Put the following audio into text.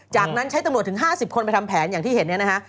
จากนั้นใช้ตำรวจถึง๕๐คนไปทำแผนอย่างที่เห็นเนี่ยนะฮะ